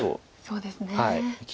そうですね。